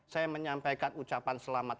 saya menyampaikan ucapan selamat